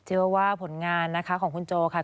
เจอว่าผลงานของคุณโจค่ะ